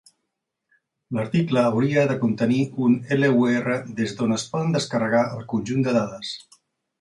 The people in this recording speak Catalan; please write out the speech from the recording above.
L'article hauria de contenir un LUR des d'on es poden descarregar el conjunt de dades.